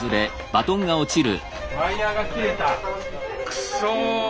くそ！